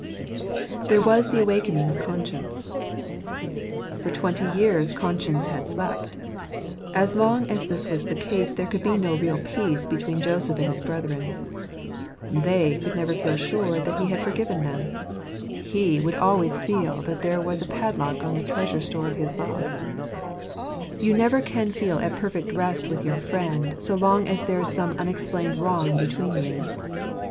II. There was the Awakening of Conscience. For twenty years conscience had slept. And as long as this was the case there could be no real peace between Joseph and his brethren. They could never feel sure that he had Confidence ntoakeneir. 97 forgiven them. He would always feel that there was a padlock on the treasure store of his love. You never can feel at perfect rest with your friend, so long as there is some unexplained wrong between you.